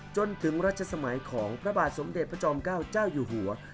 จนถึงรัชสมัยของพระบาทสมเด็จพระจอมเก้าเจ้าอยู่หัว